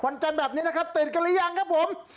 จันทร์แบบนี้นะครับตื่นกันหรือยังครับผม